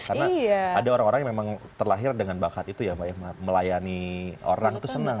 karena ada orang orang yang memang terlahir dengan bakat itu ya mbak yehmad melayani orang itu senang